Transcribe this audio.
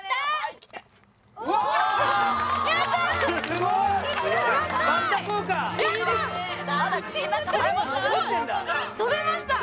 すごい跳べました。